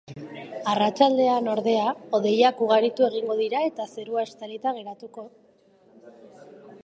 Arratsaldean, ordea, hodeiak ugaritu egingo dira eta zerua estalita geratuko.